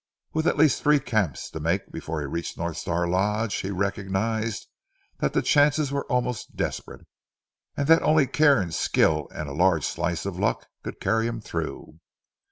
With at least three camps to make before he reached North Star Lodge, he recognized that the chances were almost desperate, and that only care and skill and a large slice of luck could carry him through.